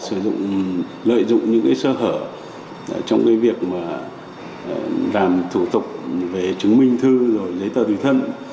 sử dụng những giấy tờ giả lợi dụng những sơ hở trong việc làm thủ tục về chứng minh thư giấy tờ tùy thân